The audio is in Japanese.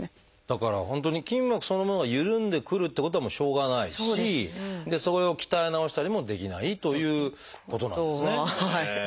だから本当に筋膜そのものがゆるんでくるってことはもうしょうがないしそれを鍛え直したりもできないということなんですね。